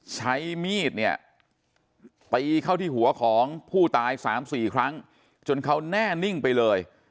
ใช้มีดเนี่ยตีเข้าที่หัวของผู้ตาย๓๔ครั้งจนเขาแน่นิ่งไปเลย